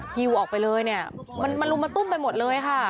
ฮิวออกไปเลยเนี่ยมันมาลุมมาตุ้มไปหมดเลยค่ะ